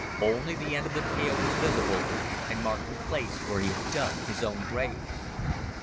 Only the end of the tail was visible and marked the place where he had dug his own grave.